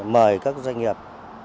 mời các doanh nghiệp